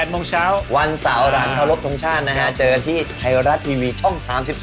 มาทองชาญนะฮะเจอกันที่ไทยรัดที่มีช่อง๓๒